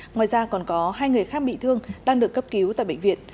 ngoài ra còn có hai người khác bị thương đang được cấp cứu tại bệnh viện